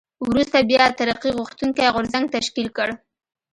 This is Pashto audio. وروسته بیا ترقي غوښتونکی غورځنګ تشکیل کړ.